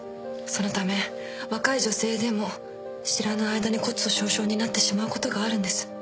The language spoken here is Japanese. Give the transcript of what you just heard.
そのため若い女性でも知らない間に骨粗しょう症になってしまうことがあるんです。